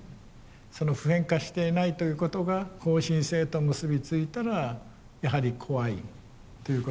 その普遍化していないということが後進性と結び付いたらやはり怖いということですね。